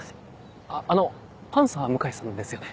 あっあのパンサー・向井さんですよね？